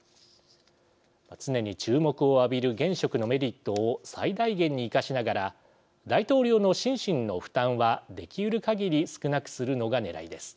常に注目を浴びる現職のメリットを最大限に生かしながら大統領の心身の負担はできうるかぎり少なくするのがねらいです。